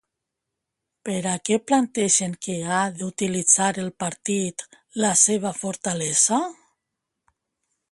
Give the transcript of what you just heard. Per a què plantegen que ha d'utilitzar el partit la seva fortalesa?